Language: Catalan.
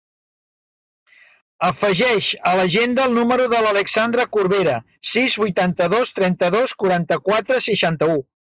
Afegeix a l'agenda el número de l'Alejandra Corbera: sis, vuitanta-dos, trenta-dos, quaranta-quatre, seixanta-u.